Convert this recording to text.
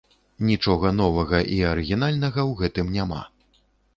Нічога новага і арыгінальнага ў гэтым няма.